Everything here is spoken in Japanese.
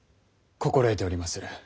心得ておりまする。